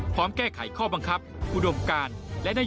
พร้อมแก้ไขข้อบังคับภูดวงการและนโยบาย